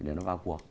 để nó vào cuộc